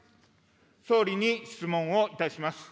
総理に質問をいたします。